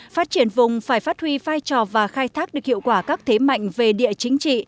phát triển vùng phải phát huy vai trò và khai thác được hiệu quả các thế mạnh về địa chính trị